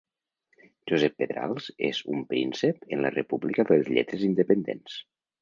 Josep Pedrals és un príncep en la república de les lletres independents.